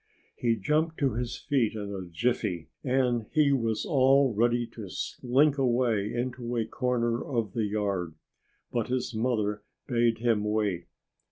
He jumped to his feet in a jiffy. And he was all ready to slink away into a corner of the yard; but his mother bade him wait.